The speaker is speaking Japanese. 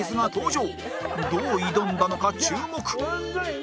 どう挑んだのか注目！